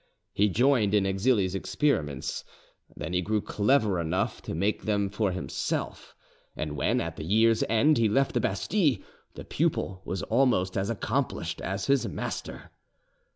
He joined in Exili's experiments; then he grew clever enough to make them for himself; and when, at the year's end, he left the Bastille, the pupil was almost as accomplished as his master.